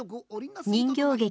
人形劇